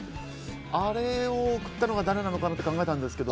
あれを送ったのが誰なのかなって考えたんですけど。